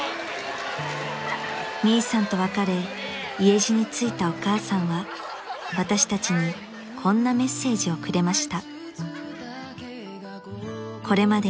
［ミイさんと別れ家路についたお母さんは私たちにこんなメッセージをくれました］